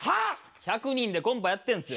１００人でコンパやってんですよ。